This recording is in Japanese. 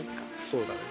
そうだね。